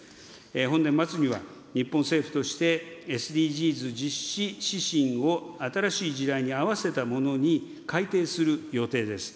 本年末には日本政府として、ＳＤＧｓ実施指針を新しい時代に合わせたものに改定する予定です。